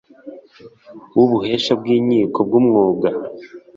w ubuhesha bw inkiko bw umwuga